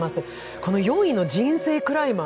この４位の「人生クライマー」